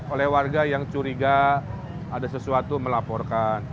oleh warga yang curiga ada sesuatu melaporkan